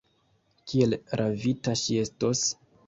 Kiel ravita ŝi estos!